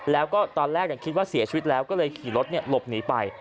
แล้วก็ตอนแรกคิดว่าเสียชีวิตแล้วก็เลยขี่รถหลบหนีไป